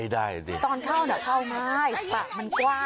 วันชนะดูสิค่ะ